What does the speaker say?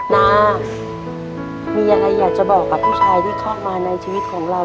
นามีอะไรอยากจะบอกกับผู้ชายที่เข้ามาในชีวิตของเรา